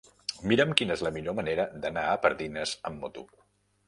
Mira'm quina és la millor manera d'anar a Pardines amb moto.